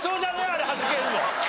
あれはじけるの。